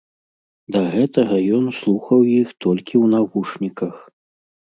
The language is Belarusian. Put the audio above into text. Да гэтага ён слухаў іх толькі ў навушніках!